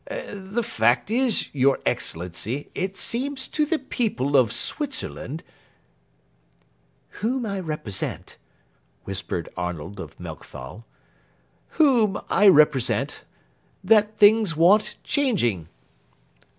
"The fact is, your Excellency, it seems to the people of Switzerland "" Whom I represent," whispered Arnold of Melchthal. " Whom I represent, that things want changing."